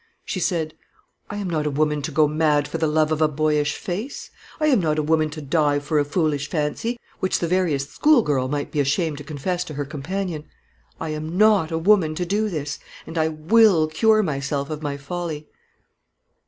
She said: "I am not a woman to go mad for the love of a boyish face; I am not a woman to die for a foolish fancy, which the veriest schoolgirl might be ashamed to confess to her companion. I am not a woman to do this, and I will cure myself of my folly."